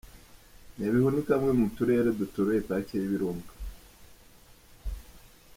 Nyabihu ni kamwe mu turere duturiye Parike y’ibirunga.